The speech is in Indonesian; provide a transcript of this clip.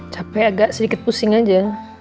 capek agak sedikit pusing aja